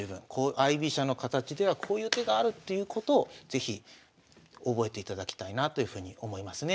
相居飛車の形ではこういう手があるっていうことを是非覚えていただきたいなというふうに思いますね。